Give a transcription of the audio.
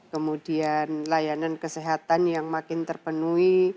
kemudian layanan kesehatan yang makin terpenuhi